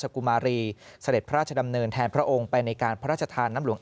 กุมารีเสด็จพระราชดำเนินแทนพระองค์ไปในการพระราชทานน้ำหลวง